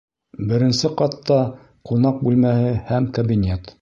Беренсе ҡатта ҡунаҡ бүлмәһе һәм кабинет